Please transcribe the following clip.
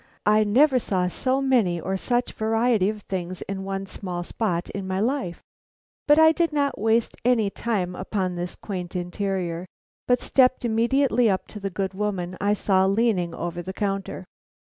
I never saw so many or such variety of things in one small spot in my life, but I did not waste any time upon this quaint interior, but stepped immediately up to the good woman I saw leaning over the counter.